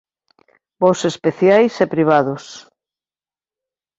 Voos especiais e privados.